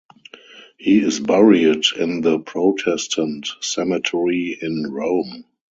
He is buried in the Protestant Cemetery in Rome.